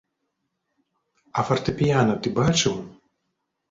А фартэпіяна ты бачыў?